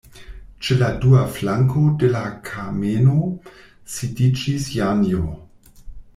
Ĉe la dua flanko de la kameno sidiĝis Janjo.